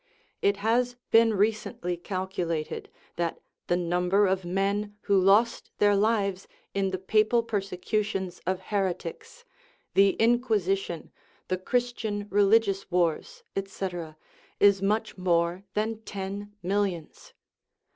It has been recently calculated that the number of men who lost their lives in the papal persecutions of heretics, the Inquisition, the Christian religious wars, etc., is much more than ten millions.